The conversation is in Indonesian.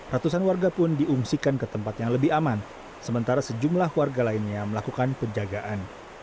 ratusan warga pun diungsikan ke tempat yang lebih aman sementara sejumlah warga lainnya melakukan penjagaan